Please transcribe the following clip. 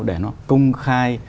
để nó công khai